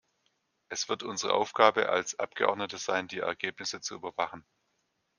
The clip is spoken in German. Es wird unsere Aufgabe als Abgeordnete sein, die Ergebnisse zu überwachen.